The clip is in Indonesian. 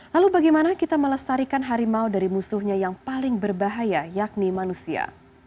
lalu bagaimana kita melestarikan harimau dari musuhnya yang paling berbahaya yakni manusia